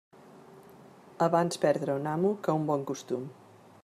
Abans perdre un amo que un bon costum.